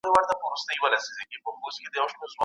که تیګه کېږدو نو دښمني نه پاتې کیږي.